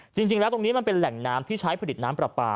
จริงแล้วตรงนี้มันเป็นแหล่งน้ำที่ใช้ผลิตน้ำปลาปลา